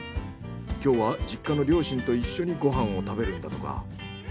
今日は実家の両親と一緒にご飯を食べるんだとか。